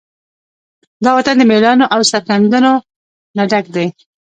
دا وطن د مېړانو، او سرښندنو نه ډک دی.